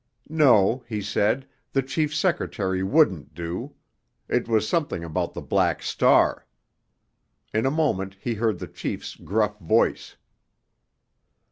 No, he said, the chief's secretary wouldn't do. It was something about the Black Star. In a moment he heard the chief's gruff voice.